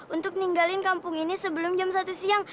untuk ninggalin kampung ini sebelum jam satu siang